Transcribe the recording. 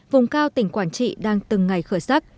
vùng cao tỉnh quảng trị đang từng ngày khởi sắc